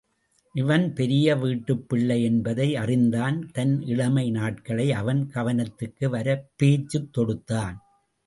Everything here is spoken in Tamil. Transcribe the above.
இவன் பெரிய வீட்டுப்பிள்ளை என்பதை அறிந்தான் தன் இளமை நாட்களை அவன் கவனத்துக்கு வரப் பேச்சுத் தொடுத்தான்.